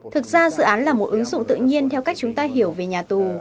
thực ra dự án là một ứng dụng tự nhiên theo cách chúng ta hiểu về nhà tù